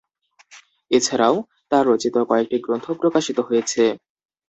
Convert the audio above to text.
এছাড়াও, তার রচিত কয়েকটি গ্রন্থ প্রকাশিত হয়েছে।